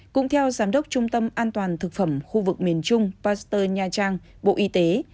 cũng theo giám đốc trung tâm an toàn thực phẩm khu vực miền trung pasteur nha trang bộ y tế